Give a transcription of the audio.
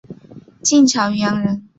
晋朝渔阳人。